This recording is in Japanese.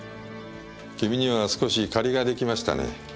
君には少し借りが出来ましたね。